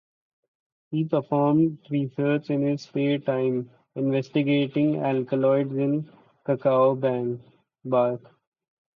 He performed research in his spare time, investigating alkaloids in cacao bark.